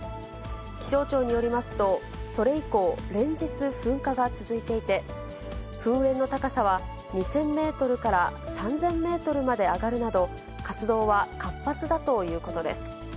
気象庁によりますと、それ以降、連日、噴火が続いていて、噴煙の高さは２０００メートルから３０００メートルまで上がるなど、活動は活発だということです。